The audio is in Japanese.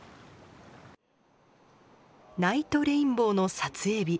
ナイトレインボーの撮影日。